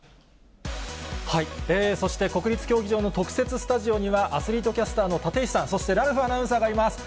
そして国立競技場の特設スタジオには、アスリートキャスターの立石さん、そしてラルフアナウンサーがいます。